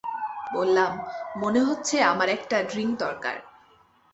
বললাম, মনে হচ্ছে আমার একটা ড্রিংক দরকার।